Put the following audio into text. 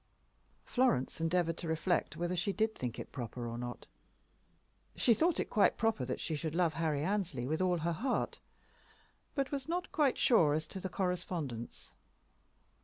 Florence endeavored to reflect whether she did think it proper or not. She thought it quite proper that she should love Harry Annesley with all her heart, but was not quite sure as to the correspondence.